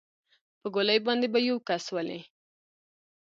په ګولۍ باندې به يو کس ولې.